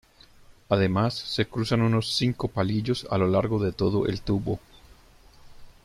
Además se cruzan unos cinco palillos a lo largo de todo el tubo.